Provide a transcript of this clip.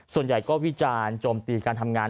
ส่วนใหญ่ก็วิจารณ์โจมตีการทำงาน